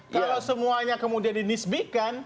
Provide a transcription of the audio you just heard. kalau semuanya kemudian dinisbikan